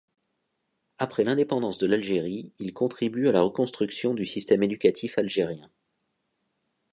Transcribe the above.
Après l'indépendance de l'Algérie, il contribue à la reconstruction du système éducatif algérien.